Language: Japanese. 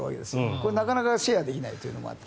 これはなかなかシェアできないというのもあって。